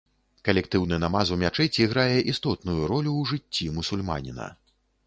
Калектыўны намаз ў мячэці грае істотную ролю ў жыцці мусульманіна.